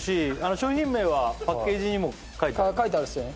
商品名はパッケージにも書いてあるっすよね